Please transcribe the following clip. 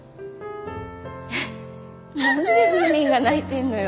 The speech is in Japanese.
何でフーミンが泣いてんのよ。